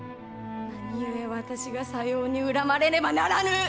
何故私がさように恨まれねばならぬ！